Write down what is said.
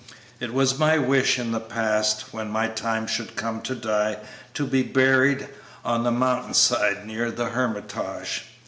"It was my wish in the past, when my time should come to die, to be buried on the mountain side, near the Hermitage.